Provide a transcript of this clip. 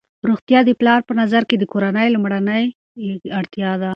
روغتیا د پلار په نظر کې د کورنۍ لومړنۍ اړتیا ده.